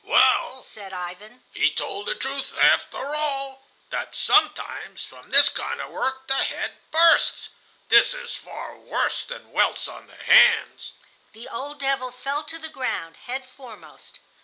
"Well," said Ivan, "he told the truth after all—that sometimes from this kind of work the head bursts. This is far worse than welts on the hands." The old devil fell to the ground head foremost.